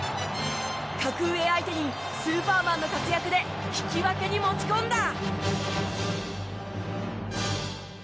格上相手にスーパーマンの活躍で引き分けに持ち込みました。